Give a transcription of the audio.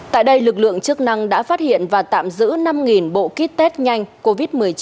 tại đây lực lượng chức năng đã phát hiện và tạm giữ năm bộ kit test nhanh covid một mươi chín